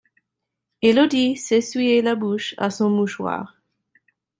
Élodie s'essuyait la bouche à son mouchoir.